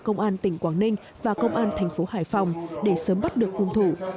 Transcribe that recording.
công an tỉnh quảng ninh và công an thành phố hải phòng để sớm bắt được hung thủ